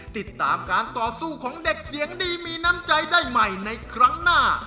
ติดตามการต่อสู้ของเด็กเสียงดีมีน้ำใจได้ใหม่ในครั้งหน้า